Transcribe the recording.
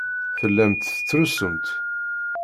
Tellamt tettrusumt.